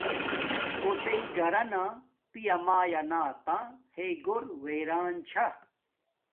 کوسݵ گھرانا پیا مایا ناتا ہݵ گھور ویران چھا